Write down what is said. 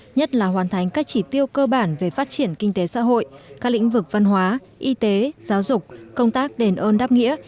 nhất là hoàn thành các chỉ tiêu cơ bản về phát triển kinh tế xã hội các lĩnh vực văn hóa y tế giáo dục công tác đền ơn đáp nghĩa